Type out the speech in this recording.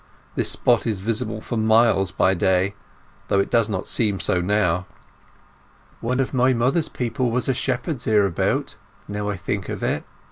This spot is visible for miles by day, although it does not seem so now." "One of my mother's people was a shepherd hereabouts, now I think of it.